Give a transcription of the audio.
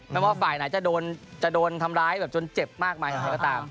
ไม่ว่าฝ่ายไหนจะโดนทำร้ายแบบจนเจ็บมากมายอย่างไรก็ตาม